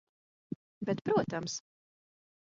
Bet protams.